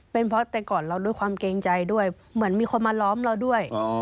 เป็นเพราะแต่ก่อนเราด้วยความเกรงใจด้วยเหมือนมีคนมาล้อมเราด้วย